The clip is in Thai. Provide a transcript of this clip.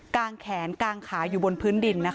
งแขนกางขาอยู่บนพื้นดินนะคะ